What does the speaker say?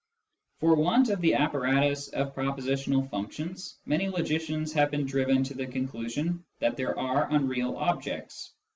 For want of the apparatus of propositional functions, many logicians have been driven to the conclusion that there are unreal objects.